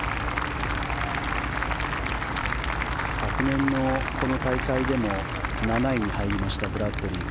昨年のこの大会でも７位に入りましたブラッドリー。